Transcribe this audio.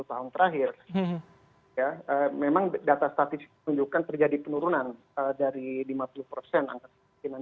saya kira ketika kita melihat dari perspektif pendekatan pembangunan